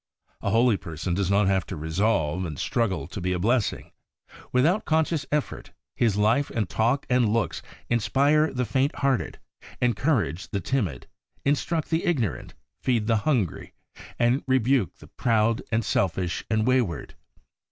A holy person does not have to resolve, and struggle to be a blessing. Without conscious effort, his life and talk and looks inspire the faint hearted, encourage the timid, instruct the ignorant, feed the hungry, and rebuke the proud, and selfish, and wayward.